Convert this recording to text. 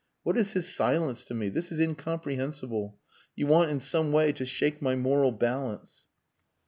What is his silence to me! This is incomprehensible. You want in some way to shake my moral balance."